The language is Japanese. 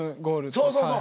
そうそうそう。